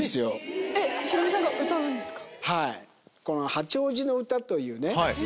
この『八王子のうた』というね。